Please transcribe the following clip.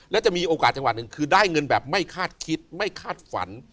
และจะมีโอกาสจังหวะหนึ่งคือได้เงินแบบไม่คาดคิดไม่คาดฝัน